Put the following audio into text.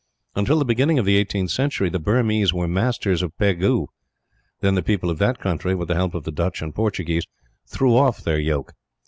Until the beginning of the eighteenth century, the Burmese were masters of Pegu; then the people of that country, with the help of the Dutch and Portuguese, threw off their yoke.